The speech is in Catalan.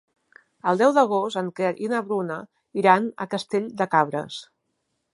El deu d'agost en Quer i na Bruna iran a Castell de Cabres.